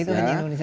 itu hanya indonesia